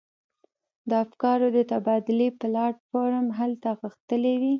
د افکارو د تبادلې پلاټ فورم هلته غښتلی وي.